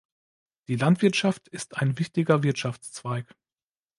Die Landwirtschaft ist ein wichtiger Wirtschaftszweig.